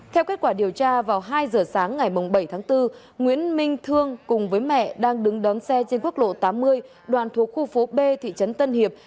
theo kết quả điều tra vào hai giờ sáng ngày bảy tháng bốn nguyễn minh thương cùng với mẹ đang đứng đón xe trên quốc lộ tám mươi đoàn thuộc khu phố b thị trấn tân hiệp